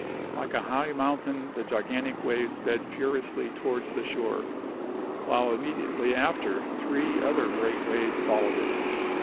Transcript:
Like a high mountain the gigantic wave sped furiously towards the shore, while immediately after three other great waves followed it.